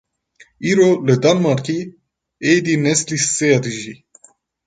Îro li Danmarkê êdî neslî sisêya dijî!